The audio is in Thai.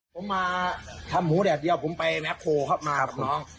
ผมมาทำหมูแดดเดียวผมไปแม็กโฮครับมากับน้อง